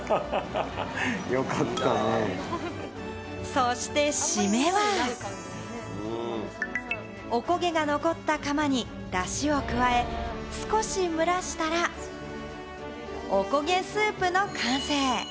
そして締めは、おこげが残った釜にだしを加え、少し蒸らしたら、おこげスープの完成。